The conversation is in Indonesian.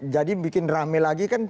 jadi bikin rame lagi kan